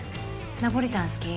ナポリタン好き？